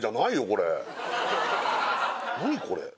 これ何これ？